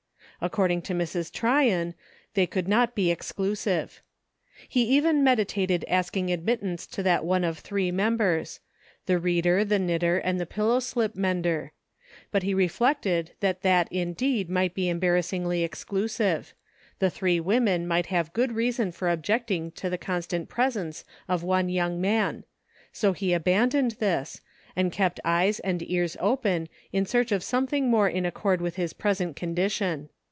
According to Mrs. Tryon, they could not be exclusive. He even meditated asking admittance to that one of three members : the reader, the knitter and the pillow slip mender ; but he reflected that that indeed might be embar rassingly exclusive ; the three women might have good reason for objecting to the constant presence of one young man ; so he abandoned this, and kept eyes and ears open in search of something more in accord with his present position.